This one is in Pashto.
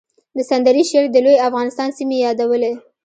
د سندرې شعر د لوی افغانستان سیمې یادولې